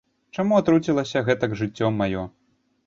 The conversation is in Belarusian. Чаму атруцілася гэтак жыццё маё?